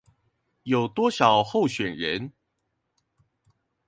有多少候選人